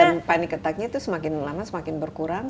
dan panic attack nya itu semakin lama semakin berkurang